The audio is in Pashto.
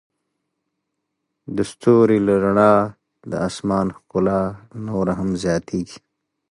د ستوري له رڼا د آسمان ښکلا نوره هم زیاتیږي.